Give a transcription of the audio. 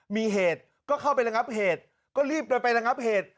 มีเหตุก็เข้าไประงับเหตุก็รีบเดินไประงับเหตุ